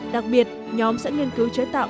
đặc biệt nhóm sẽ nghiên cứu chế tạo